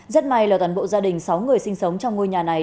rất may là toàn bộ gia đình sáu người sinh sống trong ngôi nhà này